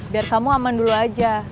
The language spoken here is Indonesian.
biar kamu aman dulu aja